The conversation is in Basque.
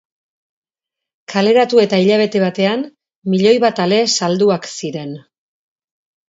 Kaleratu eta hilabete batean, milioi bat ale salduak ziren.